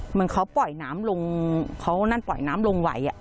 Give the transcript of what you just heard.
เหมือนเขาปล่อยน้ำลงเขานั่นปล่อยน้ำลงไหว